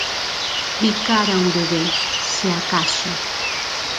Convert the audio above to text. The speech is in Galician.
Bicar a un bebé, se acaso.